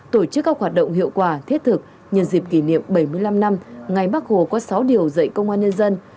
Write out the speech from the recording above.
tổ chức các hoạt động hiệu quả thiết thực nhân dịp kỷ niệm bảy mươi năm năm ngày bắc hồ có sáu điều dạy công an nhân dân